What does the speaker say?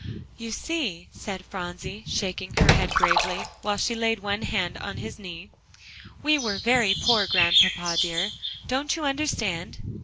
"You see," said Phronsie, shaking her head gravely, while she laid one hand on his knee, "we were very poor, Grandpapa dear. Don't you understand?"